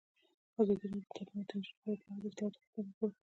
ازادي راډیو د تعلیمات د نجونو لپاره په اړه د اصلاحاتو غوښتنې راپور کړې.